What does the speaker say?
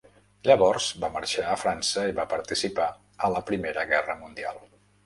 Llavors va marxar a França i va participar a la Primera Guerra Mundial.